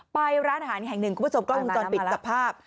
ไปร้านอาหารแห่งหนึ่งคุณผู้ชมกล้องวงจรปิดจับภาพ